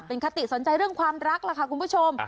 เป็นคติสนใจเรื่องความรักล่ะค่ะคุณผู้ชม